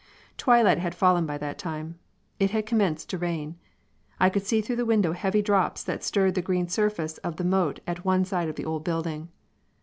Twilight had fallen by that time. It had commenced to rain. I could see through the window heavy drops that stirred the green surface of the moat at one side of the old building.